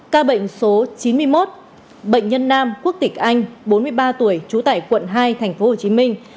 ca bệnh số chín mươi một bệnh nhân nam quốc tịch anh bốn mươi ba tuổi trú tại quận hai thành phố hồ chí minh